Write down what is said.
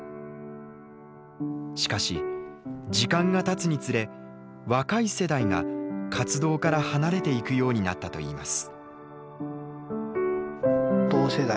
しかし時間がたつにつれ若い世代が活動から離れていくようになったといいます。